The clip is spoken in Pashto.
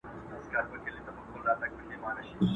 پلو مي باد واخیست وړیا دي ولیدمه!!